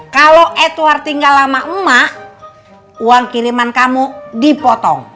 kalo edward tinggal sama emak uang kiriman kamu dipotong